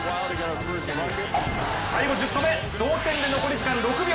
最後１０個目、同点で残り時間１０秒。